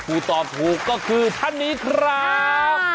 ตอบถูกก็คือท่านนี้ครับ